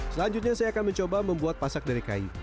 selanjutnya saya akan mencoba membuat pasak dari kayu